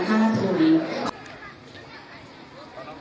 สวัสดีครับ